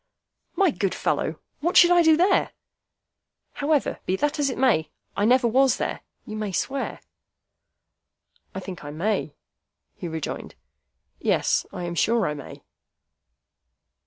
"My good fellow, what should I do there? However, be that as it may, I never was there, you may swear." "I think I may," he rejoined. "Yes; I am sure I may."